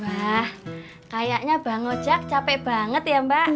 wah kayaknya mbak ngojek capek banget ya mbak